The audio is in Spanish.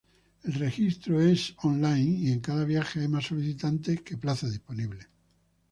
El registro es online y en cada viaje hay más solicitantes que plazas disponibles.